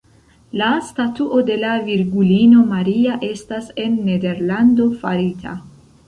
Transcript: La statuo de la virgulino Maria estas en Nederlando farita.